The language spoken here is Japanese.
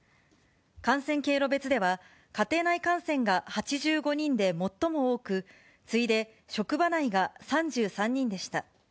感染経路別では、家庭内感染が８５人で最も多く、次いで職場内が３３人でした。